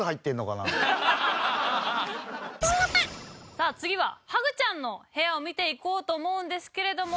さあ次はハグちゃんの部屋を見ていこうと思うんですけれども。